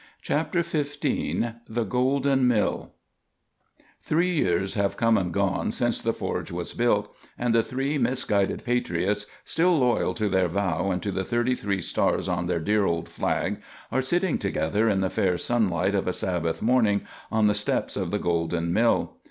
CHAPTER XV THE GOLDEN MILL Three years have come and gone since the forge was built, and the three misguided patriots, still loyal to their vow and to the thirty three stars on their dear old flag, are sitting together in the fair sunlight of a Sabbath morning on the steps of the golden mill.